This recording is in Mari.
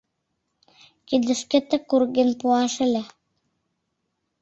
«Кидышкетак урген пуаш ыле!